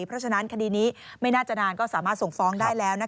เพราะฉะนั้นคดีนี้ไม่น่าจะนานก็สามารถส่งฟ้องได้แล้ว